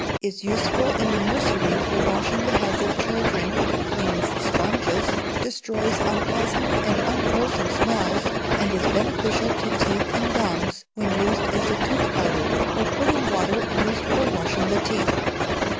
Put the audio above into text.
is useful in the nursery for washing the heads of children, cleans sponges, destroys unpleasant and unwholesome smells, and is beneficial to teeth and gums when used as a tooth powder, or put in water used for washing the teeth.